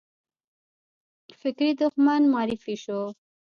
فکري دښمن معرفي شو